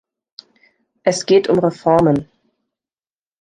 Es geht um Reformen.